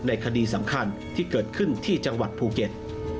คดีสำคัญที่เกิดขึ้นที่จังหวัดภูเก็ต